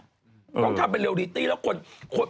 ต้องทำเป็นเรียลิตี้แล้วคน